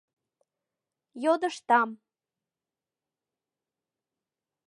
Йодыштам.